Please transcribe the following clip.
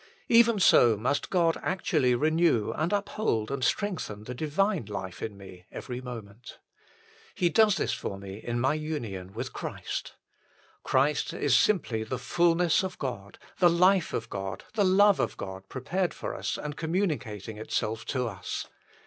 Even so must God actually renew, and uphold, and strengthen the divine life in me every moment. He does this 1 Ps. cxxi. 5. 2 1 John v. 4. 120 THE FULL BLESSING OF PENTECOST for me in my union with Christ. Christ is simply the fulness of God, the life of God, the love of God prepared for us and com municating itself to us.